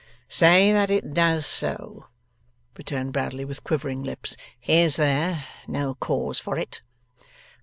'Say that it does so,' returned Bradley with quivering lips; 'is there no cause for it?